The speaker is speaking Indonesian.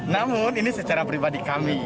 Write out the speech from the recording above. namun ini secara pribadi kami